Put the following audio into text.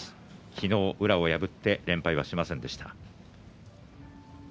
昨日、宇良を破って連敗はしませんでした。